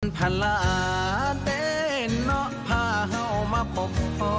บุญพลาเต้นเนาะพาเหามาปบอ่ออ่ออ่อ